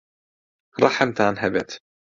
ڕەحمتان هەبێت!